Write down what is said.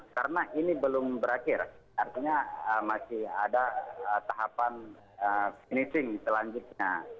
karena ini belum berakhir artinya masih ada tahapan finishing selanjutnya